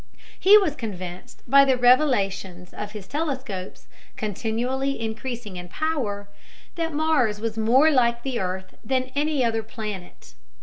He was convinced by the revelations of his telescopes, continually increasing in power, that Mars was more like the earth than any other planet.